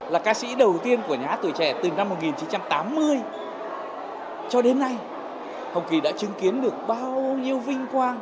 là ca sĩ đầu tiên của nhà hát tuổi trẻ từ năm một nghìn chín trăm tám mươi cho đến nay hồng kỳ đã chứng kiến được bao nhiêu vinh quang